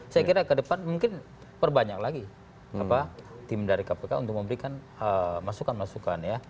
saya kira ke depan mungkin perbanyak lagi tim dari kpk untuk memberikan masukan masukan ya